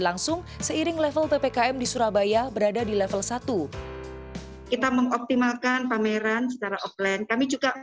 langsung seiring level ppkm di surabaya berada di level satu kita mengoptimalkan pameran secara offline kami juga